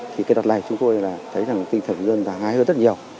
thì cái đợt này chúng tôi là thấy là tinh thần dân giá ngái hơn rất nhiều